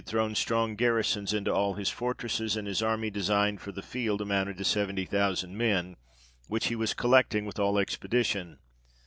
wn strong garrisons into all his fortresses, and his army designed for the field, amounted to seventy thousand men ; which he was collecting with all expedition.